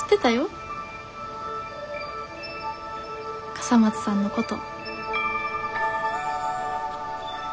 笠松さんのこと。